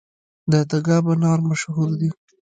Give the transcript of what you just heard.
د تګاب انار مشهور دي